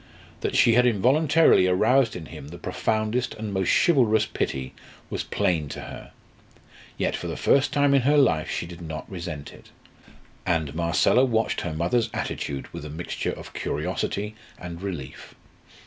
That she had involuntarily aroused in him the profoundest and most chivalrous pity was plain to her. Yet for the first time in her life she did not resent it; and Marcella watched her mother's attitude with a mixture of curiosity and relief.